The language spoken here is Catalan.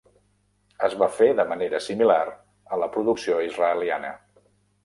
Es va fer de manera similar a la producció israeliana.